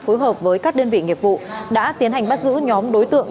phối hợp với các đơn vị nghiệp vụ đã tiến hành bắt giữ nhóm đối tượng